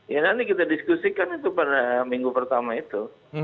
ya nanti kita diskusikan itu pada minggu pertama itu